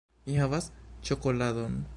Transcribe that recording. Mi havas ĉokoladon!